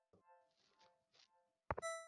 আপনার বাবা-মায়ের কি হয়েছিল যদি বলতেন?